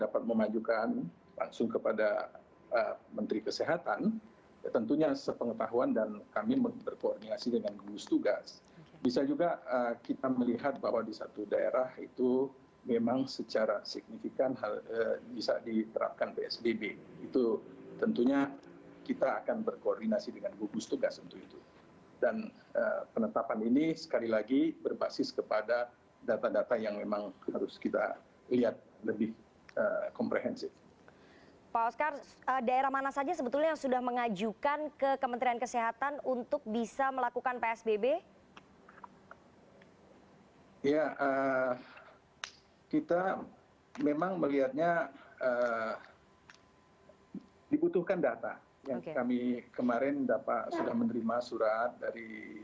pembatasan sosial berskala besar